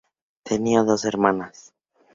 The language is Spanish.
Tenía dos hermanas.